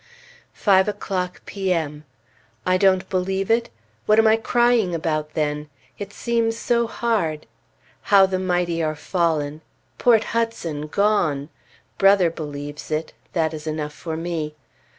5 o'clock, P.M. I don't believe it? What am I crying about then? It seems so hard! How the mighty are fallen! Port Hudson gone! Brother believes it. That is enough for me.